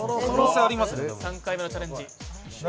３回目のチャレンジ。